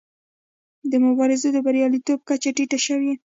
د مبارزو د بریالیتوب کچه ټیټه شوې.